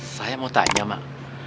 saya mau tanya mak